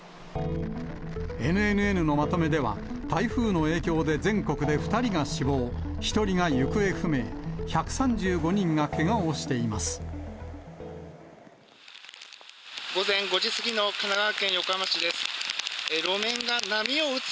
ＮＮＮのまとめでは、台風の影響で全国で２人が死亡、１人が行方不明、１３５人がけが午前５時過ぎの神奈川県横浜市です。